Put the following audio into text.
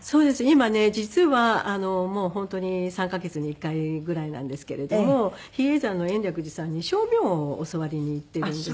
今ね実はもう本当に３カ月に１回ぐらいなんですけれども比叡山の延暦寺さんに声明を教わりに行っているんです。